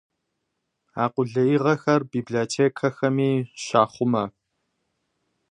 А къулеигъэхэр библиотекэхэми щахъумэ.